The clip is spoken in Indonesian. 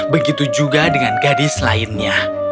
begitu juga dengan gadis lainnya